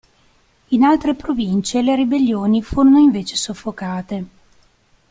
In altre province le ribellioni furono invece soffocate.